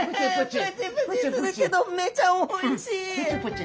プチプチするけどめちゃおいしい！プチプチ！